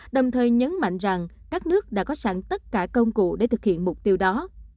đồng thời nhấn mạnh rằng các nước đã có sẵn tất cả công cụ để thực hiện mục tiêu đó